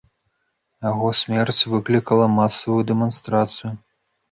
Яго смерць выклікала масавую дэманстрацыю.